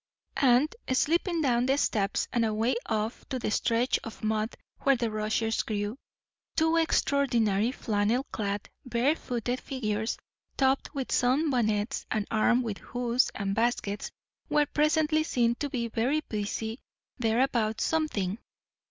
And, slipping down the steps and away off to the stretch of mud where the rushes grew, two extraordinary, flannel clad, barefooted figures, topped with sun bonnets and armed with hoes and baskets, were presently seen to be very busy there about something.